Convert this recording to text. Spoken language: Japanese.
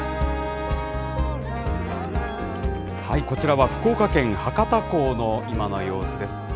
こちらは、福岡県博多港の今の様子です。